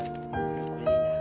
これでいいんだ。